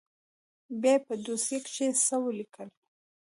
بيا يې په دوسيه کښې څه وليکل.